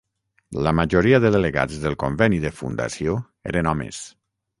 La majoria de delegats del conveni de fundació eren homes.